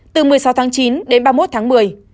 từ một mươi sáu tháng chín đến ba mươi một tháng một mươi